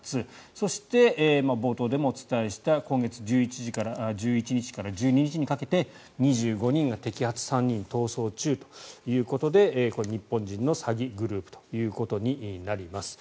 そして、冒頭でもお伝えした今月１１日から１２日にかけて２５人が摘発３人逃走中ということでこれ、日本人の詐欺グループということになります。